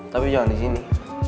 tapi jangan disini